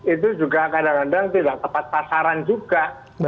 itu juga kadang kadang tidak tepat pasaran juga